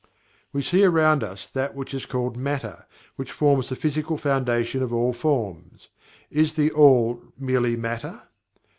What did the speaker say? We see around us that which is called "Matter," which forms the physical foundation for all forms. Is THE ALL merely Matter?